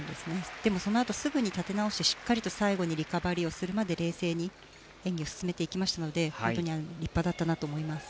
でもそのあとすぐに立て直ししっかりと最後にリカバリーをするまで冷静に演技を進めていきましたので本当に立派だったなと思います。